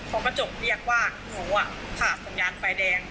พอกระจกเรียกว่าหนูผ่าสัญญาณไฟแดง